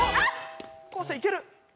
昴生いける？